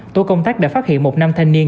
tổ công tác đã phát hiện một nam thanh niên